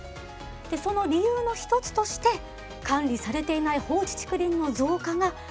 でその理由の一つとして管理されていない放置竹林の増加が指摘されているんです。